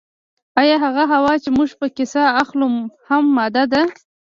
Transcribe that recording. ایا هغه هوا چې موږ پکې ساه اخلو هم ماده ده